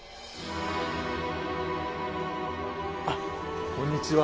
あっこんにちは。